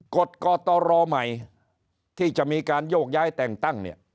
กฎกตรใหม่ที่จะมีการโยกย้ายแต่งตั้งเนี่ย